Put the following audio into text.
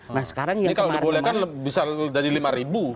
ini kalau dibolehkan bisa dari lima ribu